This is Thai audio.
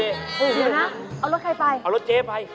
เดี๋ยวนะเอารถใครไปเอารถเจ๊ไป